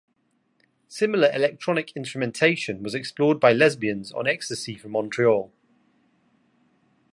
Similar electronic instrumentation was explored by Lesbians on Ecstasy from Montreal.